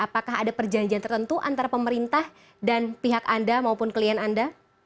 apakah ada perjanjian tertentu antara pemerintah dan pihak anda maupun klien anda